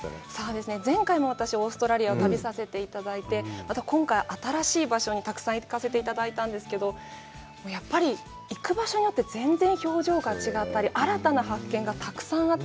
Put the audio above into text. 前回も私、オーストラリアを旅させていただいて、また今回新しい場所にたくさん行かせていただいたんですけど、やっぱり行く場所によって全然、表情が違ったり、新たな発見がたくさんあって。